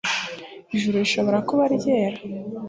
ijuru rishobora kuba ryera